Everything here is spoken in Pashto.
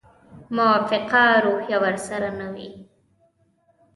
موافقه روحیه ورسره نه وي.